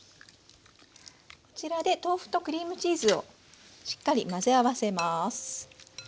こちらで豆腐とクリームチーズをしっかり混ぜ合わせます。